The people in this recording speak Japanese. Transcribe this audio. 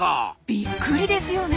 びっくりですよね。